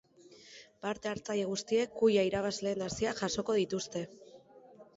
Parte-hartzaile guztiek kuia irabazleen haziak jasoko dituzte.